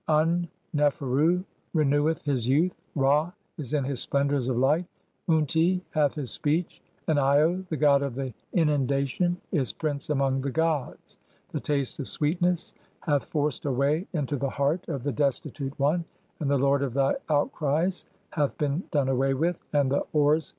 Un neferu reneweth [his] youth, Ra is in his splendours 'of light, (7) Unti hath his speech, and lo, the god of the 'Inundation is Prince among the gods. The taste of sweetness 'hath forced a way into the heart of the destitute one, and the 'lord of thy outcries (8) hath been done away with, and the 'oars